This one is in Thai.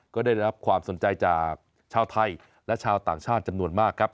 ก็ได้รับความสนใจจากชาวไทยและชาวต่างชาติจำนวนมากครับ